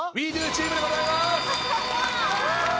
チームでございます。